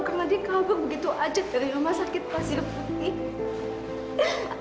karena dia kabur begitu aja dari rumah sakit pasir putih